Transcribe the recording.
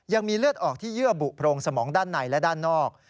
ยังมีเลือดออกที่เยื่อบุโพรงสมองด้านในและด้านนอก